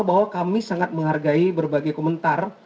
bahwa kami sangat menghargai berbagai komentar